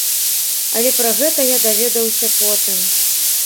Але пра гэта я даведаўся потым.